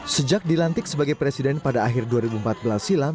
sejak dilantik sebagai presiden pada akhir dua ribu empat belas silam